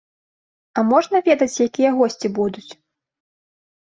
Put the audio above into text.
А можна ведаць, якія госці будуць?